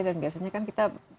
dan biasanya kan kita